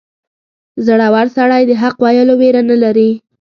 • زړور سړی د حق ویلو ویره نه لري.